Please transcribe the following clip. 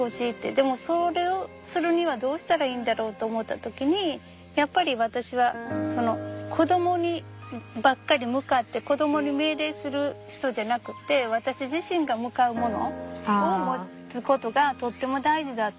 でもそれをするにはどうしたらいいんだろうと思った時にやっぱり私は子供にばっかり向かって子供に命令する人じゃなくって私自身が向かうものを持つことがとっても大事だって。